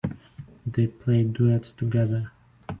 They play duets together.